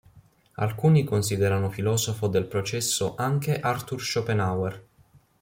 Alcuni considerano filosofo del processo anche Arthur Schopenhauer.